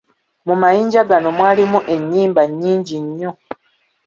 Mu mayinja gano mwalimu ennyimba nyingi nnyo.